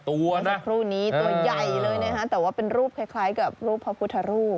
ตัวใหญ่เลยนะคะแต่ว่าเป็นรูปคล้ายกับรูปพ่อพุทธรูป